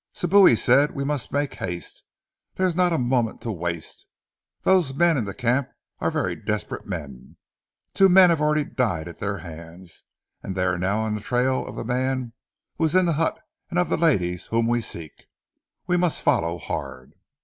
"Sibou," he said, "we must make haste. There is not a moment to waste. Those men in the camp are very desperate men. Two men already have died at their hands, and they are now on the trail of the man who was in the hut and of the ladies whom we seek. We must follow hard!"